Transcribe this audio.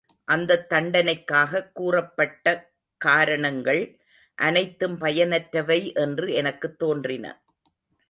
அந்தத் தண்டனைக்காகக் கூறப்பட்டக் காரணங்கள் அனைத்தும் பயனற்றவை என்று எனக்குத் தோன்றின.